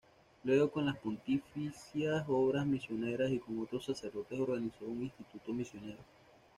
Luego con las Pontificias Obras misioneras y con otros sacerdotes organizó un instituto misionero.